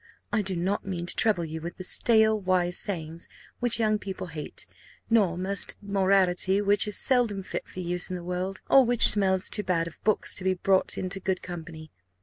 I do not mean to trouble you with stale wise sayings, which young people hate; nor musty morality, which is seldom fit for use in the world, or which smells too much of books to be brought into good company.